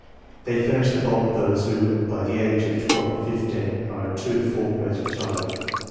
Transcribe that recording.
They furnish the bulk of those who by the age of twelve or fifteen are two to four grades retarded.